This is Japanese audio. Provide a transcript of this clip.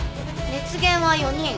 熱源は４人。